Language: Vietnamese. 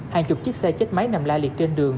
hàng chục chiếc xe chết máy nằm la liệt trên đường